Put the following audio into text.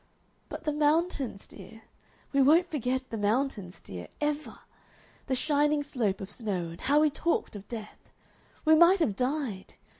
But the mountains, dear! We won't forget the mountains, dear, ever. That shining slope of snow, and how we talked of death! We might have died!